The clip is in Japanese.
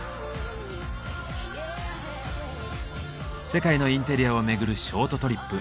世界のインテリアを巡るショートトリップ。